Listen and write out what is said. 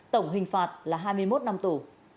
tổng hình phạt là hai mươi một năm tù